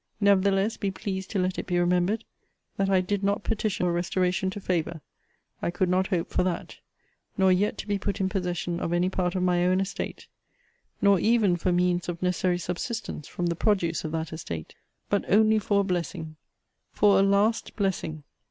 Nevertheless, be pleased to let it be remembered, that I did not petition for a restoration to favour. I could not hope for that. Nor yet to be put in possession of any part of my own estate. Nor even for means of necessary subsistence from the produce of that estate but only for a blessing; for a last blessing!